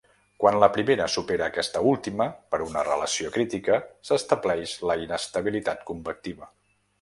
Quan la primera supera aquesta última per una relació crítica, s'estableix la inestabilitat convectiva.